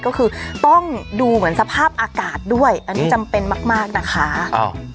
ก็คือต้องดูเหมือนสภาพอากาศด้วยอันนี้จำเป็นมากมากนะคะอ้าว